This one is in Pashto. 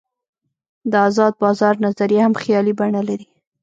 د آزاد بازار نظریه هم خیالي بڼه لري.